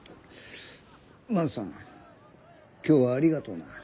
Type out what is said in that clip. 万さん今日はありがとうな。